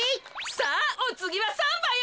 さあおつぎはサンバよ！